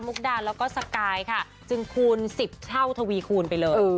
มุกดานแล้วก็สไกลค่ะจึงคูณสิบเท่าทวีคูณไปเลย